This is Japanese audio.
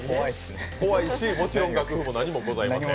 怖いし、もちろん楽譜も何もございません。